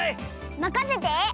まかせて！